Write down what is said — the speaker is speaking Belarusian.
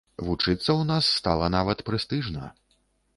Вучыцца ў нас стала нават прэстыжна.